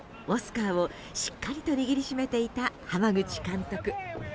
オスカーをしっかりと握りしめていた濱口監督。